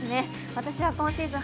私は今シーズン